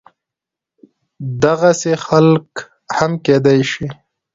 دغسې خلق هم کيدی شي